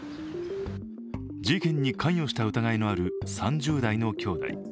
事件に関与した疑いのある３０代の兄弟。